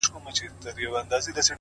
ټول عمر تكه توره شپه وي رڼا كډه كړې!!